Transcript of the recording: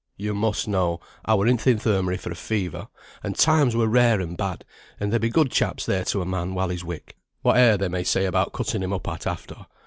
yo must know I were in th' Infirmary for a fever, and times were rare and bad; and there be good chaps there to a man, while he's wick, whate'er they may be about cutting him up at after.